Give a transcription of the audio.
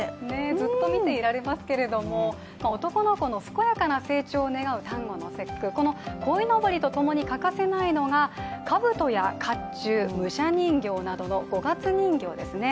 ずっと見ていられますけれども男の子の健やかな成長を願う端午の節句、このこいのぼりとともに欠かせないのが、かぶとやかっちゅう、武者人形などの五月人形ですね。